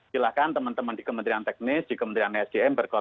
silahkan teman teman di kementerian teknis di kementerian sdm